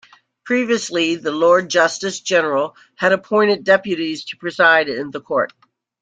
Previously the Lord Justice General had appointed deputes to preside in the court.